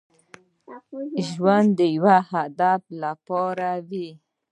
ژوند د يو هدف لپاره وي.